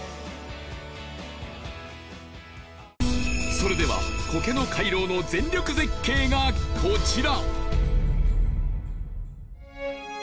それでは苔の回廊の全力絶景がコチラ！